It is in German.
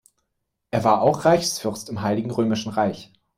Er war auch Reichsfürst im Heiligen Römischen Reich.